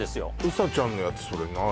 ウサちゃんのやつそれ何？